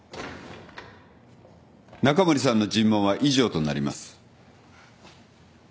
中森さんの尋問は以上となります。